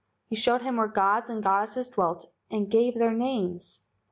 He showed him where gods and goddesses dwelt and gave their names.